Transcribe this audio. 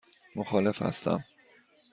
مخالف هستم.